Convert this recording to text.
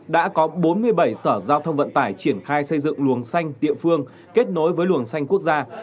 đã có bốn mươi bảy sở giao thông vận tải triển khai xây dựng luồng xanh địa phương kết nối với luồng xanh quốc gia